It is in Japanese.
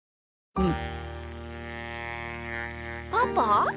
うん。